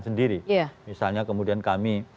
sendiri misalnya kemudian kami